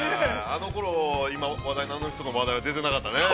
◆あのころ、今、話題のあの人の、まだ出てなかったね。